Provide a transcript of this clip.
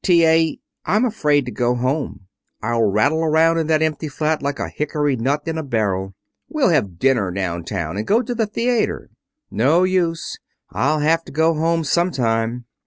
"T.A., I'm afraid to go home. I'll rattle around in that empty flat like a hickory nut in a barrel." "We'll have dinner down town and go to the theater." "No use. I'll have to go home sometime."